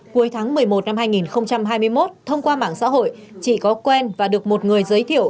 cuối tháng một mươi một năm hai nghìn hai mươi một thông qua mạng xã hội chị có quen và được một người giới thiệu